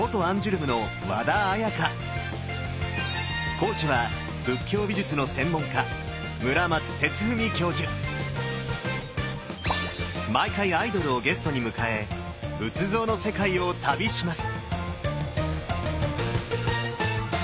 講師は仏教美術の専門家毎回アイドルをゲストに迎え仏像の世界を旅します！